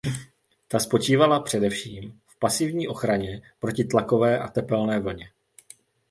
Ta spočívala především v pasivní ochraně proti tlakové a tepelné vlně.